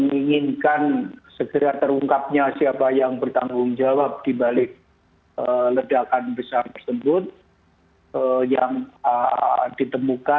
dan menginginkan segera terungkapnya siapa yang bertanggung jawab di balik ledakan besar tersebut